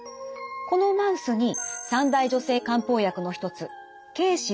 このマウスに三大女性漢方薬の一つ桂枝